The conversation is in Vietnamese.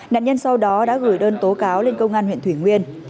nạn nhân sau đó đã gửi đơn tố cáo lên công an huyện thủy nguyên